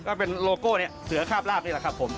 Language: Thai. ก็เป็นโลโก้เนี่ยเสือคาบลาบนี่แหละครับผม